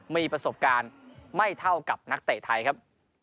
มีประสบการณ์ไม่เท่ากับนักเตะไทยครับ